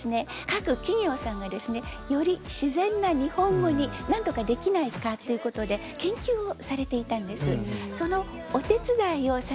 各企業さんがですねより自然な日本語になんとかできないかという事で研究をされていたんです。